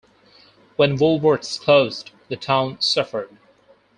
When Woolworth's closed, the town suffered.